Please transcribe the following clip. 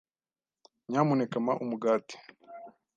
Nyamuneka mpa umugati.